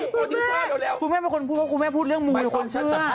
พี่แม่พี่แม่เป็นคุณคุณแม่พูดเรื่องมูก็ควรเชื่อ